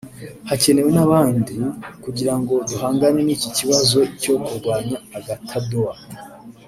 hakenewe n’abandi kugira ngo duhangane n’iki kibazo cyo kurwanya agatadowa